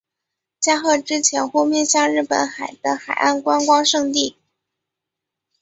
加贺之潜户面向日本海的海岸观光胜地。